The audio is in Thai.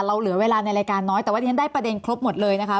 เหลือเวลาในรายการน้อยแต่ว่าที่ฉันได้ประเด็นครบหมดเลยนะคะ